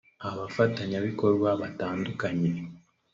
abafatanyabikorwa batandukanye